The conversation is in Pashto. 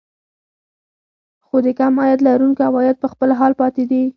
خو د کم عاید لرونکو عوايد په خپل حال پاتې دي